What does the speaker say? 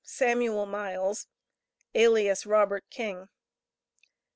Samuel Miles, alias Robert King.